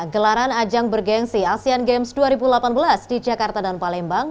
gelaran ajang bergensi asean games dua ribu delapan belas di jakarta dan palembang